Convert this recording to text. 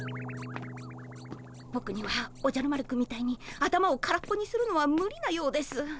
ぼくにはおじゃる丸くんみたいに頭を空っぽにするのはむりなようです。